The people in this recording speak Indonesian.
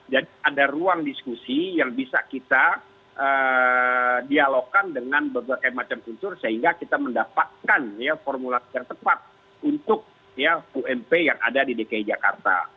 ada ruang diskusi yang bisa kita dialogkan dengan berbagai macam unsur sehingga kita mendapatkan formulasi yang tepat untuk ump yang ada di dki jakarta